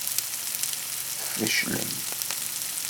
Tfeclem.